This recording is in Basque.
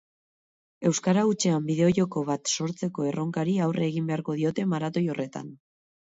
euskara hutsean bideojoko bat sortzeko erronkari aurre egin beharko diote maratoi horretan